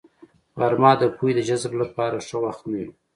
غرمه د پوهې د جذب لپاره ښه وخت نه وي